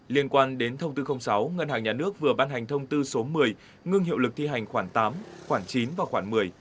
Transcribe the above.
liên quan đến thông tư sáu ngân hàng nhà nước vừa ban hành thông tư số một mươi ngưng hiệu lực thi hành khoảng tám khoảng chín và khoảng một mươi